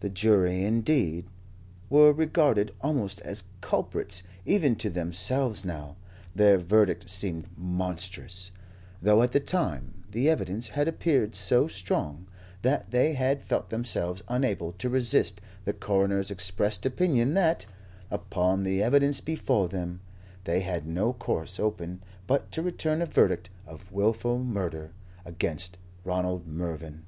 The jury, indeed, were regarded almost as culprits; even to themselves now, their verdict seemed monstrous, though at the time the evidence had appeared so strong that they had felt themselves unable to resist the coroner's expressed opinion that, upon the evidence before them, they had no course open but to return a verdict of wilful murder against Ronald Mervyn.